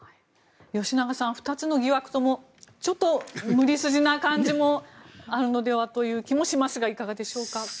吉永さん２つの疑惑ともちょっと無理筋な感じもあるのではという感じですがいかがでしょうか。